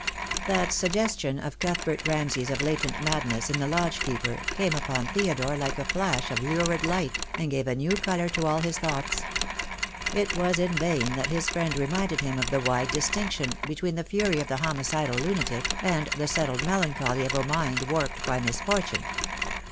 That suggestion of Cuthbert Ramsay's of latent mad ness in the lodge keeper came upon Theodore like a flash of lurid light, and gave a new colour to all his thoughts. It was in vain that his friend reminded him of the wide distinction between the fury of the homici dal lunatic and the settled melancholy of a mind warped by misfortune.